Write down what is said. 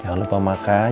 jangan lupa makan